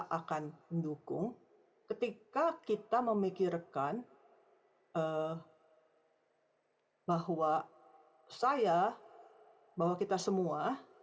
kita akan mendukung ketika kita memikirkan bahwa saya bahwa kita semua